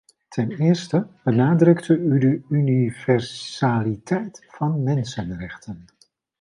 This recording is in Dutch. Ten eerste benadrukte u de universaliteit van mensenrechten.